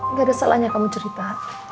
nggak ada salahnya kamu cerita